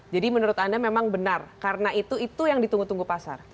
jadi menurut anda memang benar karena itu yang ditunggu tunggu pasar